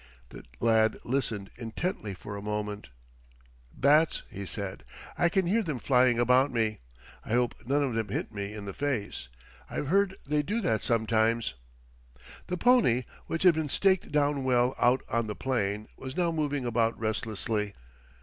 The lad listened intently for a moment. "Bats," he said. "I can hear them flying about me. I hope none of them hit me in the face. I've heard they do that sometimes." The pony, which had been staked down well out on the plain, was now moving about restlessly.